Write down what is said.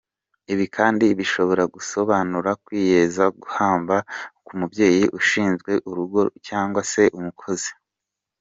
Ibi kandi bishobora gusobanura kwiyemeza guhambaye nk’umubyeyi, uwashinze urugo cyangwa se umukozi.